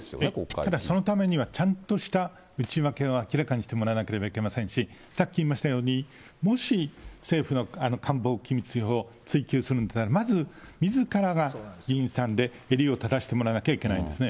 ただそのためには、ちゃんとした内訳を明らかにしてもらわなければいけませんし、さっき言いましたように、もし政府の官房機密費を追及するのなら、まずみずからが、議員さんで、襟を正してもらわなければいけないんですね。